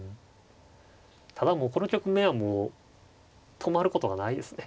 ただもうこの局面はもう止まることがないですね。